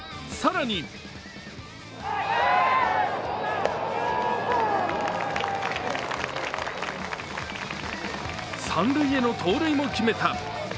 更に三塁への盗塁も決めた。